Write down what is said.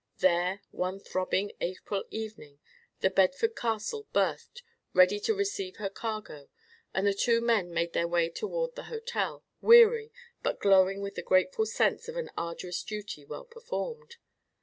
There, one throbbing April evening, The Bedford Castle berthed, ready to receive her cargo, and the two men made their way toward their hotel, weary, but glowing with the grateful sense of an arduous duty well performed.